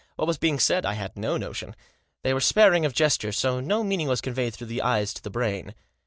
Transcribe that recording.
What was being said I had no notion. They were sparing of gesture, so no meaning was conveyed through the eye to the brain.